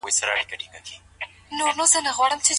د ټولني اصلاح د چا په روزنه پوري اړه لري؟